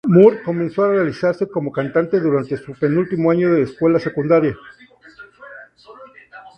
Moore comenzó a realizarse como cantante durante su penúltimo año de escuela secundaria.